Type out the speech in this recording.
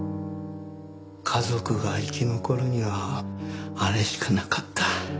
家族が生き残るにはあれしかなかった。